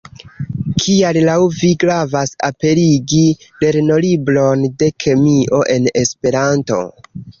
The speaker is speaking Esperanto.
Kial laŭ vi gravas aperigi lernolibron de kemio en Esperanto?